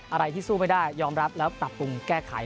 อะไรที่สู้ไม่ได้ยอมรับแล้วปรับปรุงแก้ไข